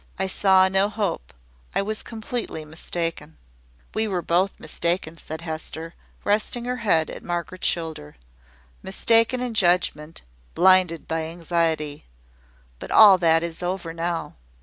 I saw no hope; I was completely mistaken." "We were both mistaken," said Hester, resting her head at Margaret's shoulder. "Mistaken in judgment, blinded by anxiety. But all that is over now.